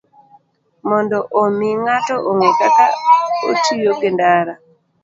Mondo omi ng'ato ong'e kaka otiyo gi ndara,